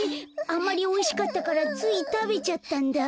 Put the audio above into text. あんまりおいしかったからついたべちゃったんだ。